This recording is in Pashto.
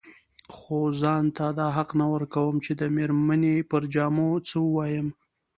خو ځان ته دا حق نه ورکوم چې د مېرمنې پر جامو څه ووايم.